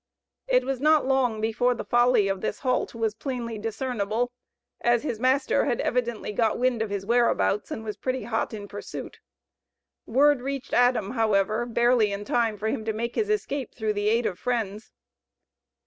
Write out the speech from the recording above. It was not long before the folly of this halt was plainly discernible, as his master had evidently got wind of his whereabouts, and was pretty hot in pursuit. Word reached Adam, however, barely in time for him to make his escape through the aid of friends.